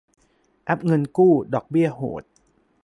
แอปเงินกู้ ดอกเบี้ยโหด